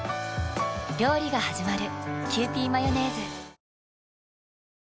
料理がはじまる。